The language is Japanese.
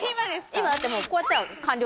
今だってもうこうやったら完了するから